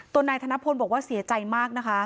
นายธนพลบอกว่าเสียใจมากนะคะ